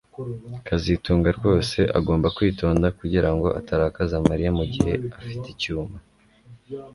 kazitunga rwose agomba kwitonda kugirango atarakaza Mariya mugihe afite icyuma